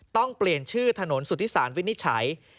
ต้องเปลี่ยนชื่อถนนสุธิสารวินิจฉัย